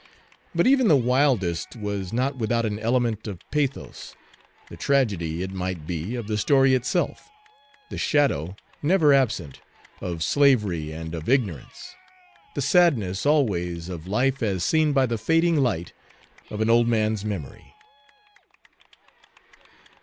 But even the wildest was not without an element of pathos, the tragedy, it might be, of the story itself; the shadow, never absent, of slavery and of ignorance; the sadness, always, of life as seen by the fading light of an old man's memory.